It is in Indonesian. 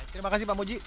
terima kasih pak muji